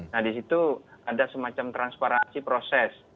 nah di situ ada semacam transparansi proses